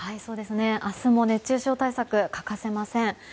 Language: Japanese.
明日も熱中症対策欠かせません。